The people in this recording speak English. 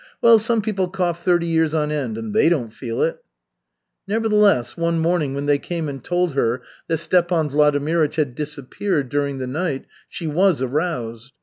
Well, some people cough thirty years on end and they don't feel it." Nevertheless, one morning when they came and told her that Stepan Vladimirych had disappeared during the night, she was aroused.